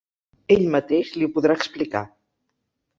Ell mateix li ho podrà explicar.